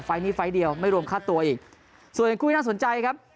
นี้ไฟล์เดียวไม่รวมค่าตัวอีกส่วนอีกคู่ที่น่าสนใจครับ